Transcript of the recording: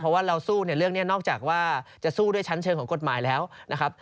เพราะว่าเราสู้เนี่ยเรื่องนี้นอกจากว่าจะสู้ด้วยชั้นเชิงของกฎหมายแล้วนะครับ